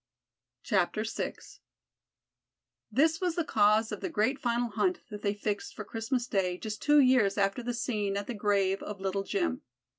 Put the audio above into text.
VI This was the cause of the great final hunt that they fixed for Christmas Day just two years after the scene at the grave of Little Jim.